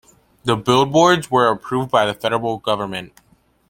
The billboards were approved by the federal government.